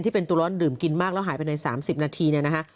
ตัวร้อนดื่มกินมากแล้วหายไปใน๓๐นาทีเนี่ยนะฮะ